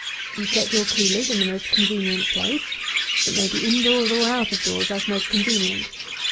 You set your coolers in the most convenient place. It may be in doors or out of doors, as most convenient.